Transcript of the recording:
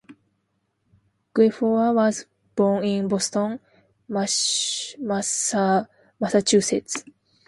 Guilfoyle was born in Boston, Massachusetts.